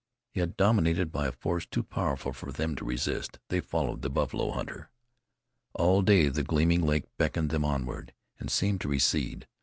Yet dominated by a force too powerful for them to resist, they followed the buffalo hunter. All day the gleaming lake beckoned them onward, and seemed to recede.